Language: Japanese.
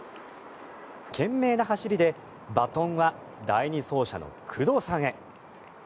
懸命な走りでバトンは第２走者の工藤さんへ。